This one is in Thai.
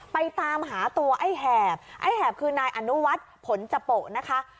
ไปตามหาตัวไอ้แหบไอ้แหบคือนายอนุวัฒน์ผลจโปะนะคะ